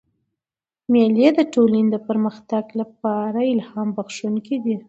مېلې د ټولني د پرمختګ له پاره الهام بخښونکي دي.